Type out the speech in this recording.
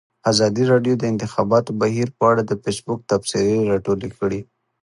ازادي راډیو د د انتخاباتو بهیر په اړه د فیسبوک تبصرې راټولې کړي.